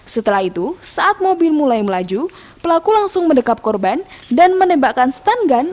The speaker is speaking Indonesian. setelah itu saat mobil mulai melaju pelaku langsung mendekat korban dan menembakkan stand gun